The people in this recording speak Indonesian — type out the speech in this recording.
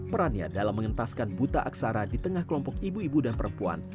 perannya dalam mengentaskan buta aksara di tengah kelompok ibu ibu dan perempuan